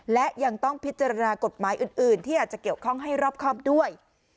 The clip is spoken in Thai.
และยังต้องพิจารณากฎหมายอื่นที่อาจจะเกี่ยวข้องให้รอบครอบด้วย